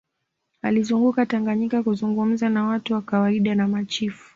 alizunguka tanganyika kuzungumza na watu wa kawaida na machifu